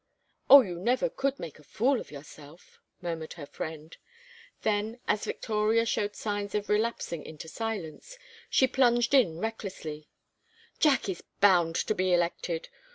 "Oh, you never could make a fool of yourself," murmured her friend. Then, as Victoria showed signs of relapsing into silence, she plunged in recklessly; "Jack is bound to be elected.